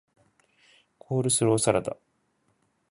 コールスローサラダ